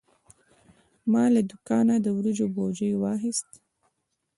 ما له دوکانه د وریجو بوجي واخیست.